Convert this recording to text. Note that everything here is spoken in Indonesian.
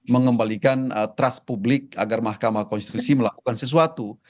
mengembalikan trust publik agar mahkamah konstitusi melakukan sesuatu